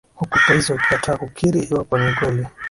huku polisi wakikataa kukiri iwapo ni kweli